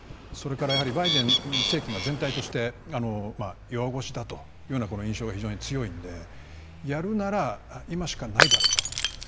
それからやはりバイデン政権が全体として弱腰だというような印象が非常に強いのでやるなら今しかないだろうと。